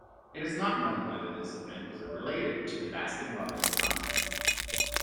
It is not known whether this event was related to the Baskin-Robbins contest.